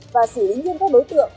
và xử lý nhiên các đối tượng